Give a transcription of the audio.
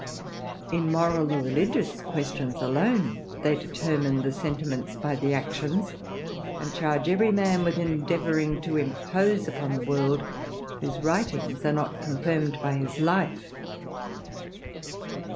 In moral or religious questions alone, they ctennine the sentiments by the actions, and charge every •^ with endeavouring to impose upon the worlds ^\vQ^ 28 THE RAMBLER. writings are not confirmed by his life.